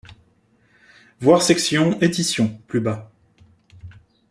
Voir section Édition plus bas.